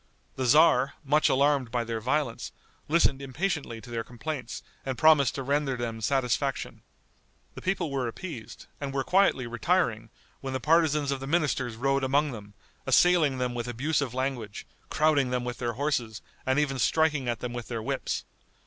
The tzar, much alarmed by their violence, listened impatiently to their complaints and promised to render them satisfaction. The people were appeased, and were quietly retiring when the partisans of the ministers rode among them, assailing them with abusive language, crowding them with their horses, and even striking at them with their whips.